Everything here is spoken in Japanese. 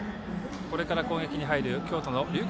これから攻撃に入る京都の龍谷